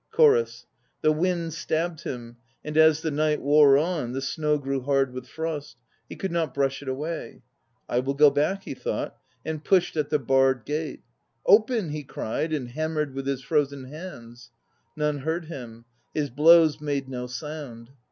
CHORUS. The wind stabbed him, and as the night wore on, The snow grew hard with frost; he could not brush it away. "I will go back," he thought, and pushed at the barred gate. "Open !" he cried, and hammered with his frozen hands. None heard him ; his blows made no sound.